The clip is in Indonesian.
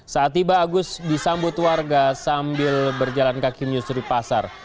saat tiba agus disambut warga sambil berjalan kaki menyusuri pasar